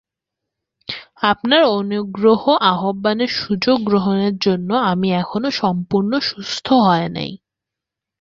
আপনাদের সানুগ্রহ আহ্বানের সুযোগ গ্রহণের জন্য আমি এখনও সম্পূর্ণ সুস্থ হইনি।